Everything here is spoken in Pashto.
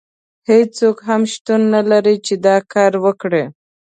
هیڅوک هم شتون نه لري چې دا کار وکړي.